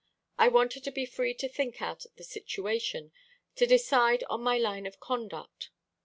I wanted to be free to think out the situation, to decide on my line of conduct.